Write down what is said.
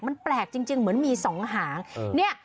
มันแปลกจริงเหมือนมีสองหาง